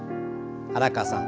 原川さん